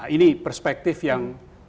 ini perspektif yang